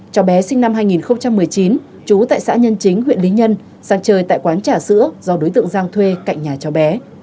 cháu bé sinh năm hai nghìn một mươi chín chú tại xã nhân chính huyện lý nhân sang chơi tại quán trà sữa do đối tượng giang thuê cạnh nhà cho bé